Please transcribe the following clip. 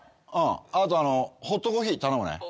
あとホットコーヒー頼むね。